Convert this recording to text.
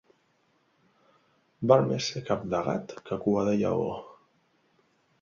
Val més ser cap de gat que cua de lleó.